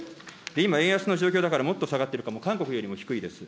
今、円安の状況だから、もっと下がっているかも、韓国より低いです。